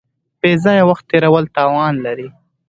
بې ځایه وخت تېرول تاوان لري.